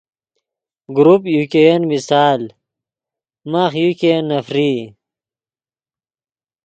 گروپ یو ګئین مثال ماخ یو ګئین نفرئی